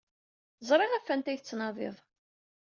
Ẓriɣ ɣef wanta ay tettnadid.